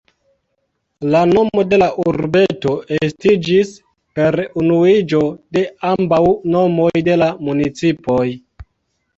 La nomo de la urbeto estiĝis per unuiĝo de ambaŭ nomoj de la municipoj.